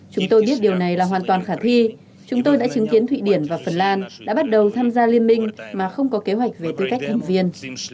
chúng tôi biết điều này là hoàn toàn khả thi chúng tôi đã chứng kiến thụy điển và phần lan đã bắt đầu tham gia liên minh mà không có kế hoạch về tư cách thành viên